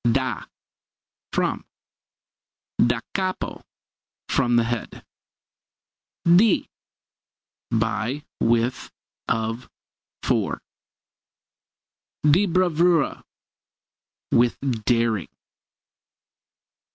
Da from. Da Capo from the head. Di by, with, of, for. Di bravura with daring.